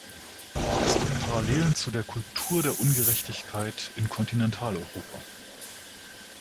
Es gibt Parallelen zu der Kultur der Ungerechtigkeit in Kontinentaleuropa.